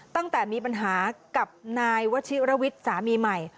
ตั้งแต่มีปัญหากับนายวชิรวิทย์สามีใหม่